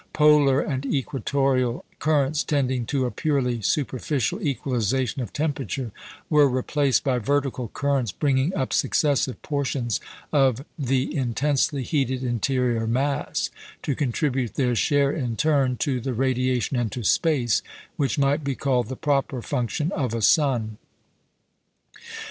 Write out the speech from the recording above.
Polar and equatorial currents, tending to a purely superficial equalisation of temperature, were replaced by vertical currents bringing up successive portions of the intensely heated interior mass, to contribute their share in turn to the radiation into space which might be called the proper function of a sun.